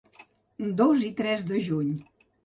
Dos i tres de juny.